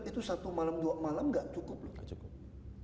itu satu malam dua malam nggak cukup loh